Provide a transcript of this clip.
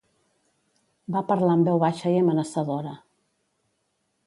Va parlar en veu baixa i amenaçadora.